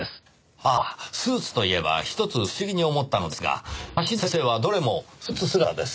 ああスーツといえばひとつ不思議に思ったのですが写真の先生はどれもスーツ姿です。